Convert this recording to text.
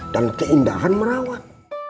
dan keindahan merawat